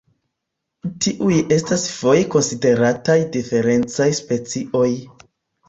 Tiuj estas foje konsiderataj diferencaj specioj.